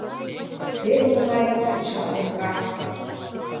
Теве могай монча коҥга!